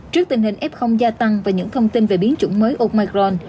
trước tình hình f gia tăng và những thông tin về biến chủng mới omicron